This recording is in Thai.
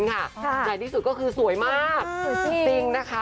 ดังน้อยที่สุดก็คือสวยมาก